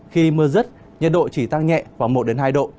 khi mưa rứt nhật độ chỉ tăng nhẹ khoảng một đến hai độ